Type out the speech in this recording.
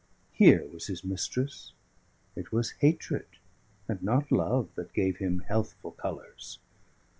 Here was his mistress: it was hatred and not love that gave him healthful colours.